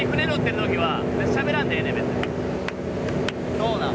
そうなん？